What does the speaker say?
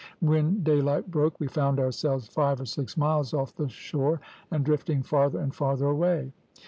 When daylight broke, we found ourselves five or six miles off the shore, and drifting farther and farther away.